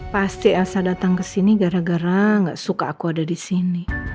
pasti elsa datang ke sini gara gara gak suka aku ada di sini